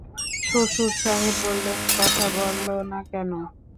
শ্বশুরসাহেব বললেন, কথা বল না কেন?